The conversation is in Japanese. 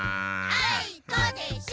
あいこでしょ！